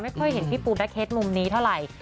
ไม่ค่อยเห็นพี่ปูรักเคสมุมนี้เท่าไร